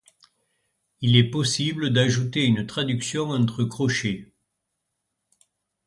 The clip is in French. Il est possible d'ajouter une traduction entre crochets.